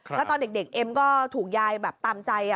แล้วตอนเด็กเอ็มก็ถูกยายแบบตามใจ